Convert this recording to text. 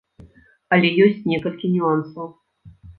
Але ёсць некалькі нюансаў.